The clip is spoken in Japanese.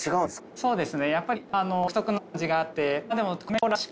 そうですねやっぱり独特の感じがあって。